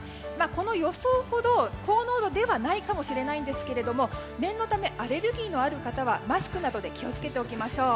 この予想ほど高濃度ではないかもしれないんですが念のためアレルギーのある方はマスクなどで気を付けておきましょう。